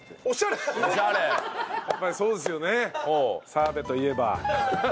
澤部といえば。